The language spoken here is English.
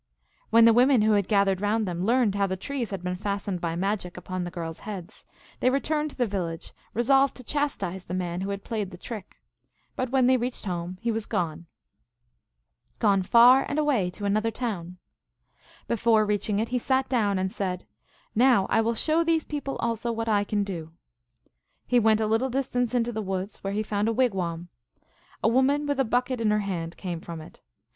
When the women who had gathered round them learned how the trees had been fastened by magic upon the girls heads, they returned to the village, re solved to chastise the man who had played the trick. But when they reached home he was gone. Gone far and away to another town. Before reach ing it he sat down, and said, " Now I will show these people also what I can do." He went a little distance into the woods, where he found a wigwam. A woman with a bucket in her hand came from it.